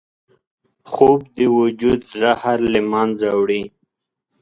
خوب د وجود زهر له منځه وړي